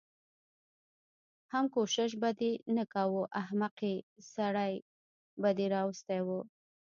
حم کوشش به دې نه کوه احمقې سړی به دې راوستی و.